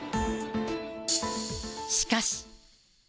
しかし。